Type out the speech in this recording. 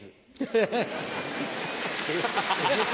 ハハハ。